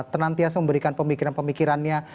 tenantias memberikan pemikiran pemikirannya